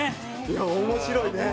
いや面白いね。